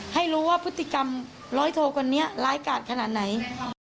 ให้รู้ว่าพฤติกรรมร้อยโทคนนี้ร้ายกาดขนาดไหน